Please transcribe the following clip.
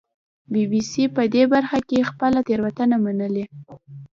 بي بي سي په دې برخه کې خپله تېروتنه منلې